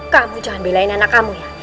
kamu jangan belain anak kamu ya